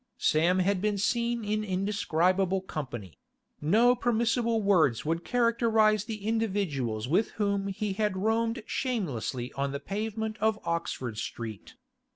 Sam had been seen in indescribable company; no permissible words would characterise the individuals with whom he had roamed shamelessly on the pavement of Oxford Street.